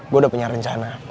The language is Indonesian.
gue udah punya rencana